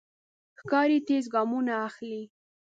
ښکاري تېز ګامونه اخلي.